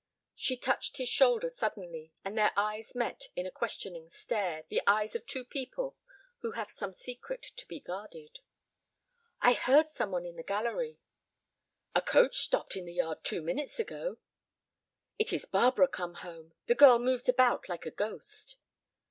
She touched his shoulder suddenly, and their eyes met in a questioning stare, the eyes of two people who have some secret to be guarded. "I heard some one in the gallery." "A coach stopped in the yard two minutes ago." "It is Barbara come home. The girl moves about like a ghost."